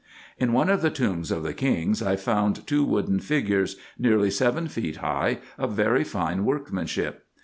In one of the tombs of the kings I found two wooden figures, nearly seven feet high, of very fine workmanship.